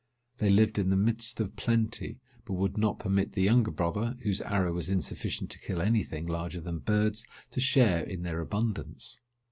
They lived in the midst of plenty, but would not permit the younger brother, whose arrow was insufficient to kill any thing larger than birds, to share in their abundance.